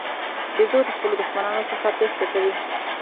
بیزو د خپلو دښمنانو څخه تېښته کوي.